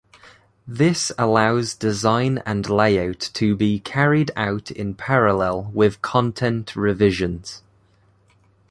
This allows design and layout to be carried out in parallel with content revisions.